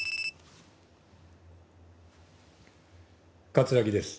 葛城です。